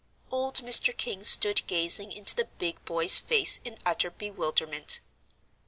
Old Mr. King stood gazing into the big boy's face in utter bewilderment.